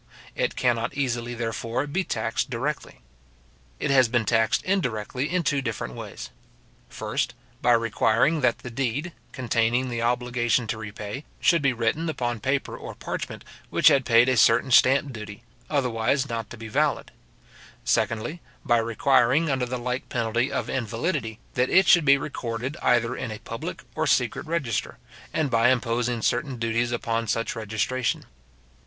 It cannot easily, therefore, be taxed directly. It has been taxed indirectly in two different ways; first, by requiring that the deed, containing the obligation to repay, should be written upon paper or parchment which had paid a certain stamp duty, otherwise not to be valid; secondly, by requiring, under the like penalty of invalidity, that it should be recorded either in a public or secret register, and by imposing certain duties upon such registration.